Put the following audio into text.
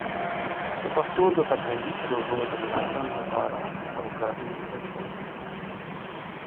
د پښتو د فرهنګي پروژو د ملاتړ لپاره همکاري اړینه ده.